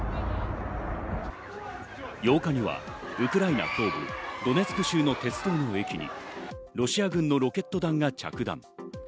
８日にはウクライナ東部ドネツク州の鉄道の駅にロシア軍のロケット弾が着弾。